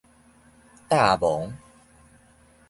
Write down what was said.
霧濛